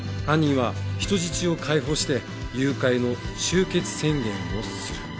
犯人は人質を解放して誘拐の終結宣言をする。